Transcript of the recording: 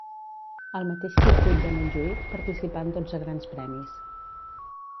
Al mateix circuit de Montjuïc participà en dotze grans premis.